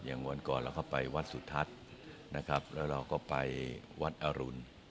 อย่างวันก่อนเราก็ไปวัดสุธรรมแล้วเราก็ไปวัดอรุณ